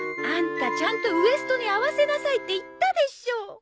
アンタちゃんとウエストに合わせなさいって言ったでしょ。